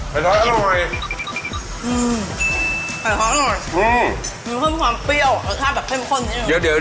ไข่ท้ออร่อยไข่ท้ออร่อยมีความเปรี้ยวรสชาติแบบเพิ่มข้น